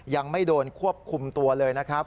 ยังไม่โดนควบคุมตัวเลยนะครับ